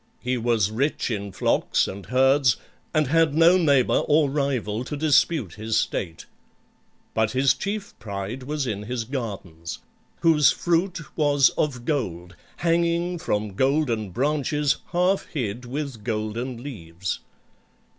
He was rich in flocks and herds and had no neighbor or rival to dispute his state. But his chief pride was in his gardens, whose fruit was of gold, hanging from golden branches, half hid with golden leaves.